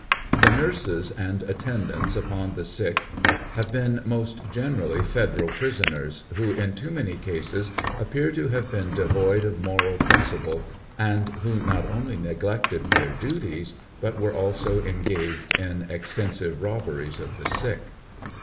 The nurses and attendants upon the sick have been most generally Federal prisoners, who in too many cases appear to have been devoid of moral principle, and who not only neglected their duties, but were also engaged in extensive robberies of the sick.